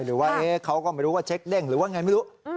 หรือว่าเขาก็ไม่รู้ว่าเช็คเด้งหรือว่าไงไม่รู้